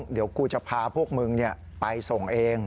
เดี๋ยวกูจะพาพวกมึงไปส่งเอง